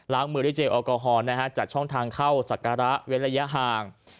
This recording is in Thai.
มือด้วยเจลแอลกอฮอลจัดช่องทางเข้าศักระเว้นระยะห่าง